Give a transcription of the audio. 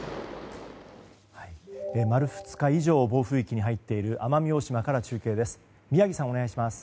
丸２日以上暴風域に入っている奄美大島から中継です。